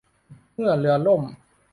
เมื่อเรือล่ม